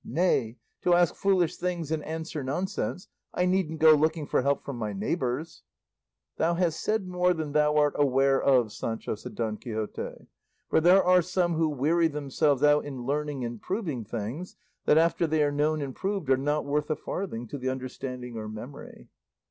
Nay! to ask foolish things and answer nonsense I needn't go looking for help from my neighbours." "Thou hast said more than thou art aware of, Sancho," said Don Quixote; "for there are some who weary themselves out in learning and proving things that, after they are known and proved, are not worth a farthing to the understanding or memory."